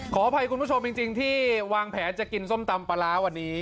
ขออภัยคุณผู้ชมจริงที่วางแผนจะกินส้มตำปลาร้าวันนี้